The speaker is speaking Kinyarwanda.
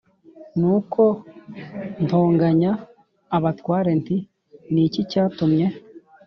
Nuko ntonganya abatware nti Ni iki cyatumye